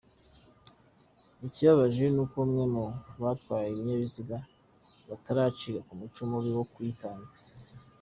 Ikibabaje ni uko bamwe mu batwara ibinyabiziga bataracika ku muco mubi wo kuyitanga.